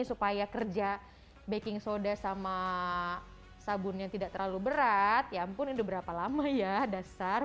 supaya kerja baking soda sama sabunnya tidak terlalu berat ya ampun ini udah berapa lama ya dasar